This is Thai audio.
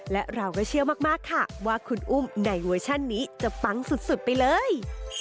และเราก็เชื่อมากค่ะว่าคุณอุ้มในเวอร์ชันนี้จะปังสุดไปเลย